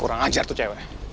kurang ajar tuh cewek